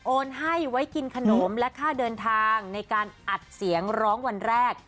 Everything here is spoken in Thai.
ให้ไว้กินขนมและค่าเดินทางในการอัดเสียงร้องวันแรก